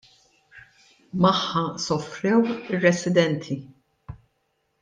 Magħha sofrew ir-residenti.